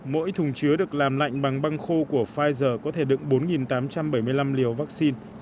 mỗi thùng chứa được làm lạnh bằng băng khô của pfizer có thể đựng bốn tám trăm bảy mươi năm liều vaccine